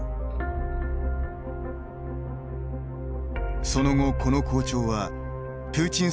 その後この校長はプーチン政権の与党統一